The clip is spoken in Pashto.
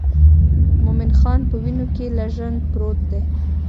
مومن خان په وینو کې لژند پروت دی.